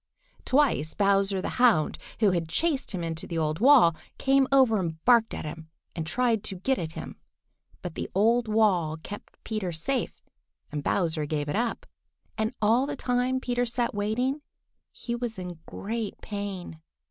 Twice Bowser the Hound, who had chased him into the old wall, came over and barked at him and tried to get at him. But the old wall kept Peter safe, and Bowser gave it up. And all the time Peter sat waiting he was in great pain.